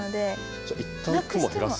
じゃ一旦雲減らす？